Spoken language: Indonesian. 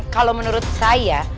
kalau menurut saya